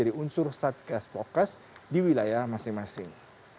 suruh saat kes pokas di wilayah masing masing